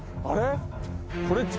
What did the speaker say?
あれ？